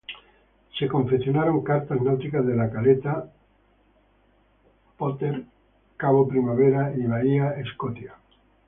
Se confeccionaron cartas náuticas de la caleta Potter, cabo Primavera y bahía Scotia.